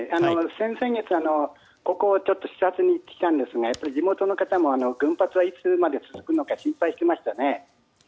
先々月視察に行ってきたんですが地元の方も群発がいつまで続くのか心配していましたね。